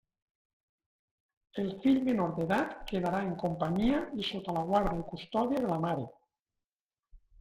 El fill menor d'edat quedarà en companyia i sota la guarda i custòdia de la mare.